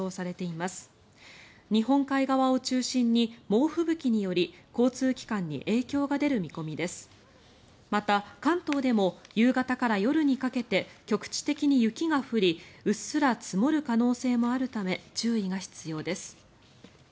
また、関東でも夕方から夜にかけて局地的に雪が降りうっすら積もる可能性もあるため注意が必要です。